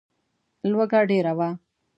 لوږه ډېره وه.